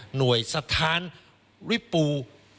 หน่วยสถานริปู